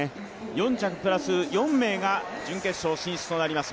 ４着プラス４名が準決勝進出となります。